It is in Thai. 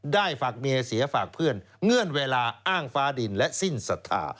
ได้ฝากเมียเสียฝากเพื่อนเงื่อนเวลาอ้างฟ้าดินและสิ้นศรัทธา